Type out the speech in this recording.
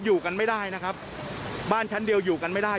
อยู่กันไม่ได้นะครับบ้านชั้นเดียวอยู่กันไม่ได้